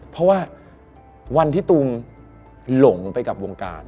เพราะว่าวันที่ตูมหลงไปกับวงการ